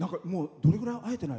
どれぐらい会えてない？